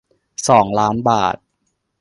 สองล้าน บาท